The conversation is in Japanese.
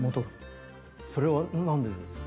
それは何でですか？